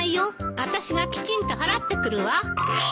あたしがきちんと払ってくるわ。